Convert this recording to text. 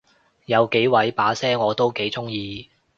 有幾位把聲我都幾中意